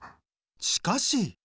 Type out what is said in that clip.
しかし。